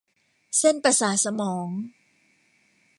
เส้นประสาทสมอง